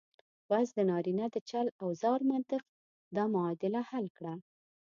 بس د نارینه د چل او زور منطق دا معادله حل کړه.